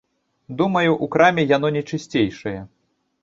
Думаю, у краме яно не чысцейшае.